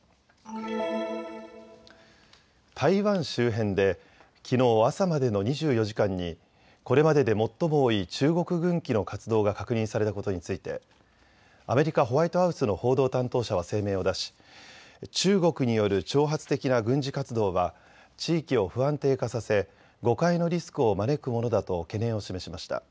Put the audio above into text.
台湾周辺できのう朝までの２４時間にこれまでで最も多い中国軍機の活動が確認されたことについてアメリカ・ホワイトハウスの報道担当者は声明を出し中国による挑発的な軍事活動は地域を不安定化させ誤解のリスクを招くものだと懸念を示しました。